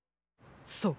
そう！